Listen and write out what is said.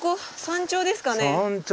山頂ですね。